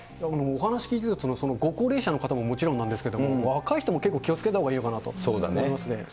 お話聞いていると、ご高齢者の方ももちろんなんですけども、若い人も結構気をつけたほうがいいのかなと思いますね。